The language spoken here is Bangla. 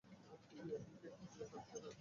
তুই ঐদিকে খুঁজতে থাক।